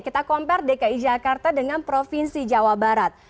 kita compare dki jakarta dengan provinsi jawa barat